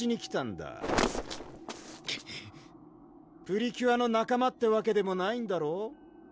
プリキュアの仲間ってわけでもないんだろ？